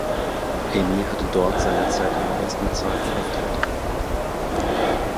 Amy hatte dort seinerzeit ihren ersten bezahlten Auftritt.